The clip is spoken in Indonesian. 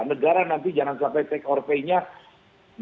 negara nanti jarang sampai take or pay nya mau dipakai nggak pakai